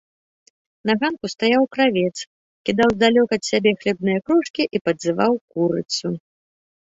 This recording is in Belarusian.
На ганку стаяў кравец, кідаў здалёк ад сябе хлебныя крошкі і падзываў курыцу.